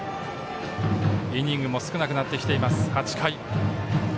イニングも少なくなってきています、８回。